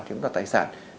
chiếm đoạt tài sản